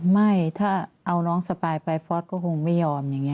ไม่ถ้าเอาน้องสปายไปฟอสก็คงไม่ยอมอย่างนี้